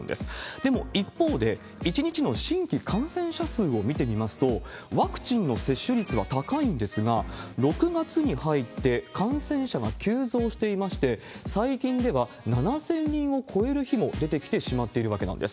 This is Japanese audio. でも、一方で、１日の新規感染者数を見てみますと、ワクチンの接種率は高いんですが、６月に入って感染者が急増していまして、最近では７０００人を超える日も出てきてしまっているわけなんです。